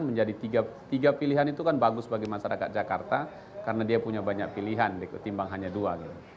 menjadi tiga pilihan itu kan bagus bagi masyarakat jakarta karena dia punya banyak pilihan ketimbang hanya dua